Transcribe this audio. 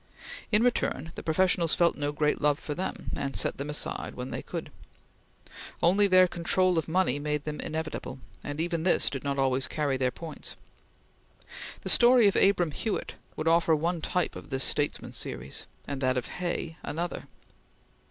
In return, the professionals felt no great love for them, and set them aside when they could. Only their control of money made them inevitable, and even this did not always carry their points. The story of Abram Hewitt would offer one type of this statesman series, and that of Hay another.